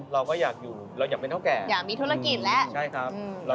เราก็อยากอยู่อยากเป็นเท่าแก่อยากมีธุรกิจแล้ว